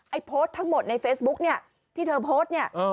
โพสต์ทั้งหมดในเฟซบุ๊กเนี่ยที่เธอโพสต์เนี่ย